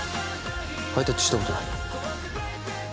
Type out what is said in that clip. ハイタッチしたことない？